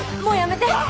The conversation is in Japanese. もうやめて。